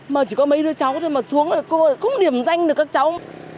mà chỉ có mấy đứa cháu thôi mà xuống là cô lại không điểm danh được các cháu